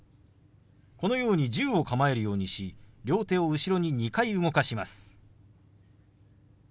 このように銃を構えるようにし両手を後ろに２回動かします。